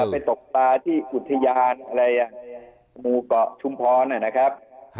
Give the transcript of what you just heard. ไปตกปลาที่อุทยานอะไรหมู่เกาะชุมพรนะครับ